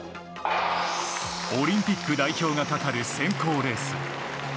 オリンピック代表がかかる選考レース。